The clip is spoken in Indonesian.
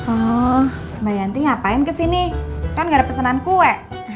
oh mbak yanti ngapain kesini kan gak ada pesanan kue